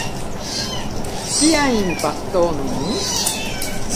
Kiajn bastonojn?